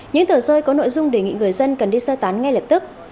những tờ rơi có nội dung đề nghị người dân cần đi sơ tán ngay lập tức